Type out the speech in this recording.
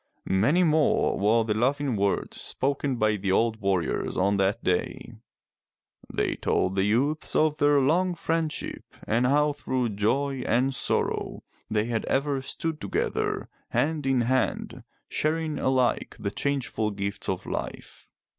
Many more were the loving words spoken by the old warriors on that day. They told the youths of their long friendship and how through joy and sorrow, they had ever stood together, hand in hand, sharing alike the changeful gifts of life.